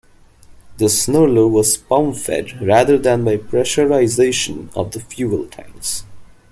The Snarler was pump fed rather than by pressurization of the fuel tanks.